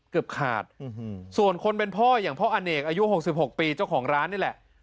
เกือบขาดส่วนคนเป็นพ่ออย่างพ่ออเนกอายุ๖๖ปีเจ้าของร้านนี่แหละ